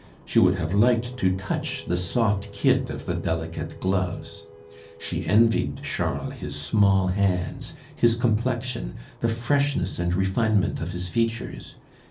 She would have liked to touch the soft kid of the delicate gloves. She envied Charles his small hands, his complexion, the freshness and refinement of his features.